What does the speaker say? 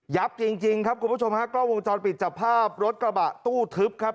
จริงจริงครับคุณผู้ชมฮะกล้องวงจรปิดจับภาพรถกระบะตู้ทึบครับ